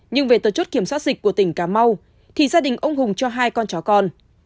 nhưng về tờ chốt kiểm soát dịch của tỉnh cảm âu thì gia đình ông hùng cho hai con chó con